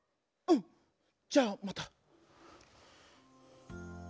うんじゃあまた。